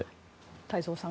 太蔵さん